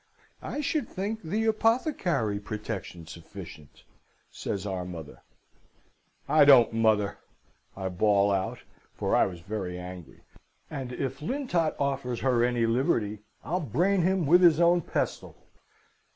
"'I should think the apothecary protection sufficient!' says our mother. "'I don't, mother!' I bawl out, for I was very angry; 'and if Lintot offers her any liberty, I'll brain him with his own pestle!'